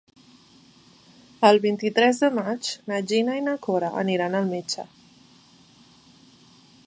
El vint-i-tres de maig na Gina i na Cora aniran al metge.